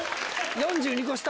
４２個下？